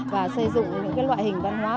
và xây dựng những cái loại hình văn hóa